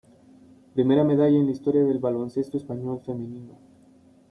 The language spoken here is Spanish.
Primera Medalla en la Historia del Baloncesto Español Femenino.